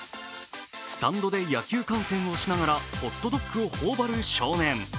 スタンドで野球観戦をしながらホットドックを頬張る少年。